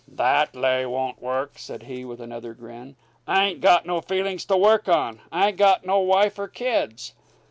"That lay won't work," said he, with another grin. "I ain't got no feelings to work on. I ain't got no wife or kids."